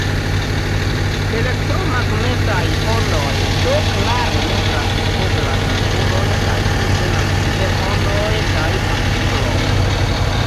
Elektromagnetaj ondoj do klare montras duoblan naturon, kaj sin tenas kiel ondoj kaj partikloj.